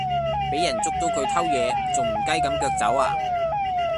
比人捉到佢偷野，仲唔雞咁腳走呀